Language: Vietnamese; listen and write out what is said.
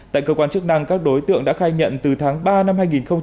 tại cơ quan chức năng các đối tượng đã khai nhận từ tháng ba năm hai nghìn hai mươi